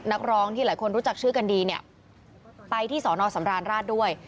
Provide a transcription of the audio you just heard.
นักร้องที่หลายคนรู้จักชื่อกันดีเนี่ยไปที่สอนอสำราญราชด้วย